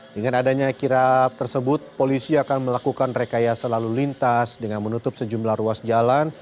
dengan adanya kirap tersebut polisi akan melakukan rekayasa lalu lintas dengan menutup sejumlah ruas jalan